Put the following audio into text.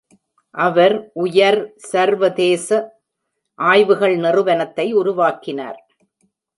அவர் உயர் சர்வதேச ஆய்வுகள் நிறுவனத்தை உருவாக்கினார்.